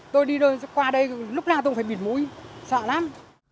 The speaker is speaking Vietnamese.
tôi đi qua đây lúc nào tôi cũng phải bịt mũi sợ lắm